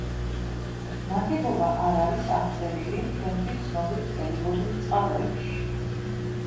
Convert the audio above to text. ნაგებობა არ არის აღწერილი ჩვენთვის ცნობილ წერილობით წყაროებში.